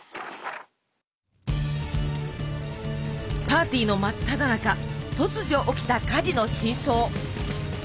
パーティーの真っただ中突如起きた火事の真相。